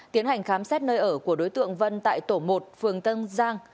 tiến hành khám xét nơi ở của đối tượng vân tại tổ một phường tân giang